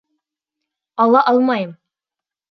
— Ала алмайым.